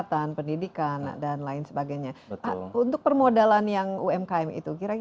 tapi misalnya saya mengungkap aristotelan seharian saya katakan bahwa mungkin kh